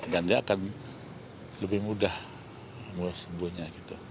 dan dia akan lebih mudah sembuhnya